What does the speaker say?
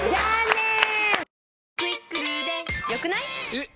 えっ！